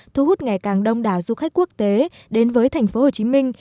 thu hút ngày càng đông đảo du khách quốc tế đến với thành phố hồ chí minh